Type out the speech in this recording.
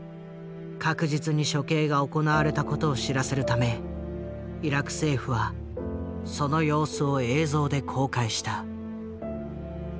確実に処刑が行われた事を知らせるためイラク政府はその様子を映像で公開した。